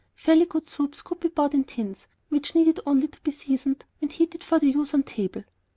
Fairly good soups could be bought in tins, which needed only to be seasoned and heated for use on table.